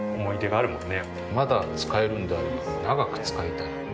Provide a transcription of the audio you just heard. まだ使えるんであれば長く使いたい。